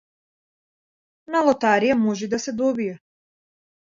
На лотарија може и да се добие.